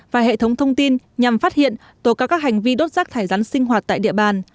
và hệ thống thông tin nhằm phát hiện tổ các hành vi đốt rắc thải rắn sinh hoạt tại địa bàn